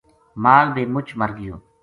مال بے مُچ مر گیو